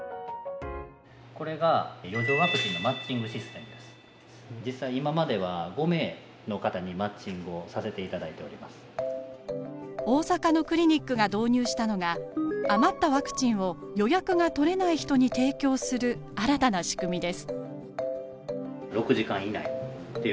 これが大阪のクリニックが導入したのが余ったワクチンを予約が取れない人に提供する新たな仕組みです。